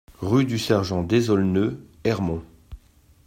Rue du Sergent Désolneux, Ermont